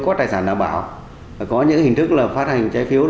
có tài sản đảm bảo có những hình thức là phát hành trái phiếu